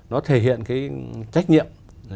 nó thể hiện cái trách nhiệm